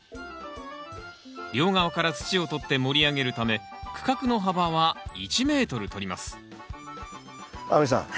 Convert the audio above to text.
両側から土を取って盛り上げるため区画の幅は１ｍとります亜美さん